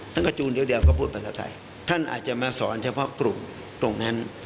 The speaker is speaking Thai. กระจูนเดียวก็พูดภาษาไทยท่านอาจจะมาสอนเฉพาะกลุ่มตรงนั้น